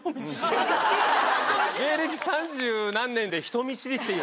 芸歴三十何年で人見知りって。